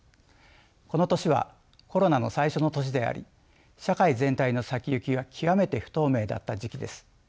この年はコロナの最初の年であり社会全体の先行きが極めて不透明だった時期です。